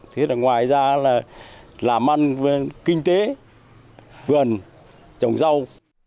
thế là ngoài ra là làm ăn kinh tế vườn trồng rau